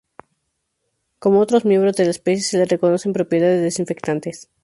Como otros miembros de la especie, se le reconocen propiedades desinfectantes.